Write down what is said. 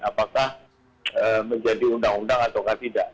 apakah menjadi undang undang atau tidak